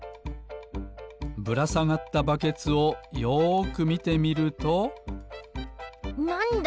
ぶらさがったバケツをよくみてみるとなんだ？